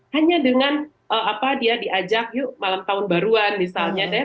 hanya dengan apa dia diajak yuk malam tahun baruan misalnya deh